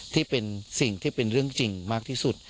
ที่เป็นสิ่งที่เป็นเรื่องจริงมากที่สุด